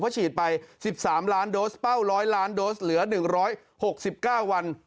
ฉีดไป๑๓ล้านโดสเป้า๑๐๐ล้านโดสเหลือ๑๖๙วัน